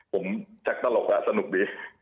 ผมจากตลกละสนุกดี